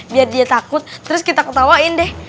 biar dia takut terus kita ketawain deh